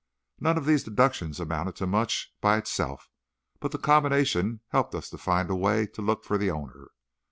None of these deductions amounted to much by itself, but the combination helped us to find a way to look for the owner.